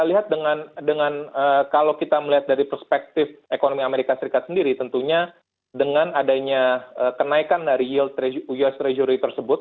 kita lihat dengan kalau kita melihat dari perspektif ekonomi amerika serikat sendiri tentunya dengan adanya kenaikan dari yield us treasury tersebut